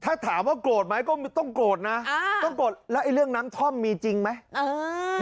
ถ้าถามว่าโกรธไหมก็ต้องโกรธนะอ่าต้องโกรธแล้วไอ้เรื่องน้ำท่อมมีจริงไหมเออ